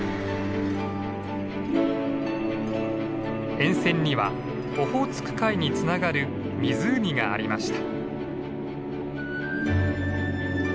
沿線にはオホーツク海につながる湖がありました。